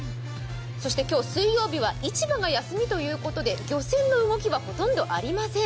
今日、水曜日は市場が休みということで、漁船の動きはほとんどありません。